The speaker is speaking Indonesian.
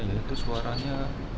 ini tuh suaranya